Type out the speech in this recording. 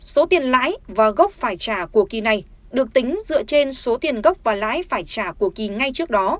số tiền lãi và gốc phải trả của kỳ này được tính dựa trên số tiền gốc và lãi phải trả của kỳ ngay trước đó